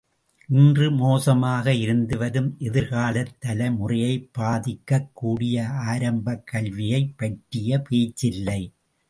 இன்று மோசமாக இருந்துவரும் எதிர்காலத் தலைமுறையைப் பாதிக்கக் கூடிய ஆரம்பக் கல்வியைப் பற்றிய பேச்சில்லை!